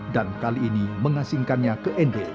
dan kali ini mengasingkannya ke nd